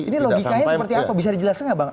ini logikanya seperti apa bisa dijelaskan nggak bang